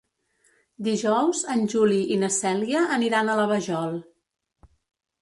Dijous en Juli i na Cèlia aniran a la Vajol.